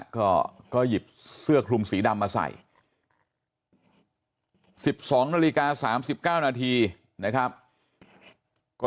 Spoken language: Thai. ก็หยิบเสื้อคลุมสีดำมาใส่๑๒นาฬิกา๓๙นาทีนะครับ